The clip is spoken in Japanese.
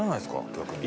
逆に。